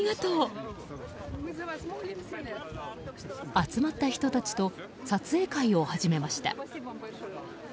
集まった人たちと撮影会を始めました。